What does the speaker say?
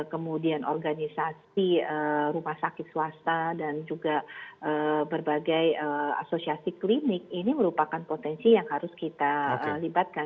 kemudian organisasi rumah sakit swasta dan juga berbagai asosiasi klinik ini merupakan potensi yang harus kita libatkan